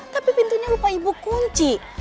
tapi pintunya lupa ibu kunci